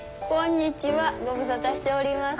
ご無沙汰しております。